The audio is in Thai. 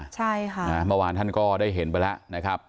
ใช่ค่ะเมื่อวานท่านก็ได้เห็นไปแล้วนะครับ